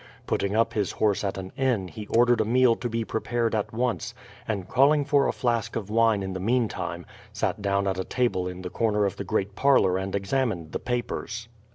Putting up his horse at an inn he ordered a meal to be prepared at once, and calling for a flask of wine in the meantime, sat down at a table in the corner of the great parlour and examined the papers.